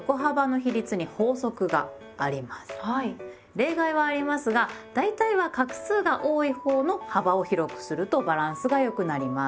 例外はありますが大体は画数が多いほうの幅を広くするとバランスが良くなります。